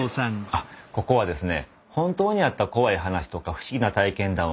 あっここはですね